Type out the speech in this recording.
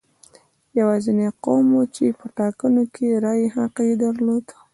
یوازینی قوم و چې په ټاکنو کې د رایې حق یې درلود.